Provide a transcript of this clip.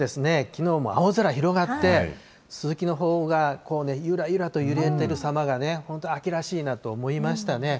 きのうも青空広がって、ススキの穂がゆらゆらと揺れてるさまが本当、秋らしいなと思いましたね。